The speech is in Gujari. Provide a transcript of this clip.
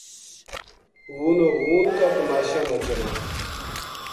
غونو غون کا تماشا نا چلاں ‘‘